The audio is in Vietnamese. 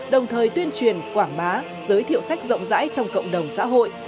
đồng thời tuyên truyền quảng bá giới thiệu sách rộng rãi trong cộng đồng xã hội